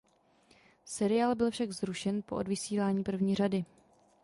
Seriál byl však zrušen po odvysílání první řady.